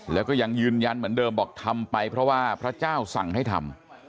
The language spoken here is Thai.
แล้วก็ยังยืนยันเหมือนเดิมบอกทำไปเพราะว่าพระเจ้าสั่งให้ทำ